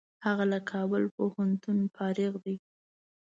هغه له کابل پوهنتونه فارغ دی.